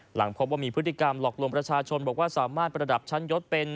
หลังพบว่ามีพฤติกรรมหลอกลวงประชาชนบอกว่าสามารถประดับชั้นยศเป็น